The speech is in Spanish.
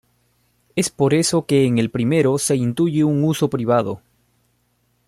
Es por eso que en el primero se intuye un uso privado.